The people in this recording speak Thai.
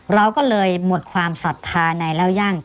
เราก็เลยหมดความศรัทธาในเล่าย่าง